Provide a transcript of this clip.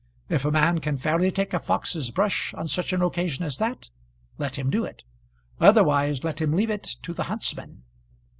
If a man can fairly take a fox's brush on such an occasion as that, let him do it; otherwise let him leave it to the huntsman.